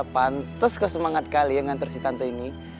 pantes ke semangat kali ya nganter si tante ini